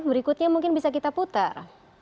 berikutnya mungkin bisa kita putar